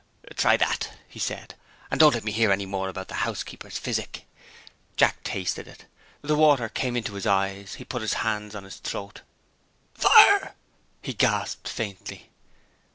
"Try that," he said, "and don't let me hear any more about the housekeeper's physic." Jack tasted it. The water came into his eyes he put his hands on his throat. "Fire!" he gasped faintly.